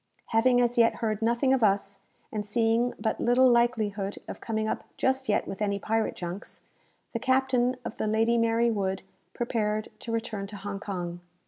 Having as yet heard nothing of us, and seeing but little likelihood of coming up just yet with any pirate junks, the captain of the "Lady Mary Wood" prepared to return to Hong Kong.